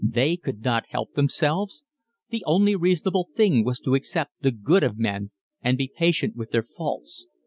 They could not help themselves. The only reasonable thing was to accept the good of men and be patient with their faults.